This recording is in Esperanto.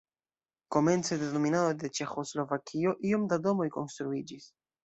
Komence de dominado de Ĉeĥoslovakio iom da domoj konstruiĝis.